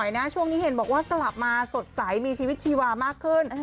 นะช่วงนี้เห็นบอกว่ากลับมาสดใสมีชีวิตชีวามากขึ้น